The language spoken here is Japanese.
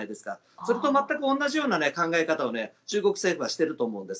それと全く同じような考え方を中国政府はしていると思うんです。